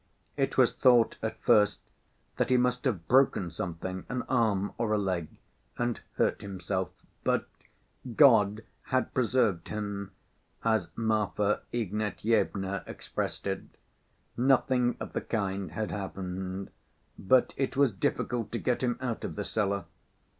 It was thought at first that he must have broken something—an arm or a leg—and hurt himself, but "God had preserved him," as Marfa Ignatyevna expressed it—nothing of the kind had happened. But it was difficult to get him out of the cellar.